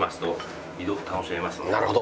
なるほど。